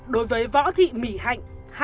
đối với võ thị mỹ hạnh